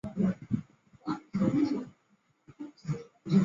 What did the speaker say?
圣赫勒拿机场是位于圣赫勒拿岛上的一座国际机场。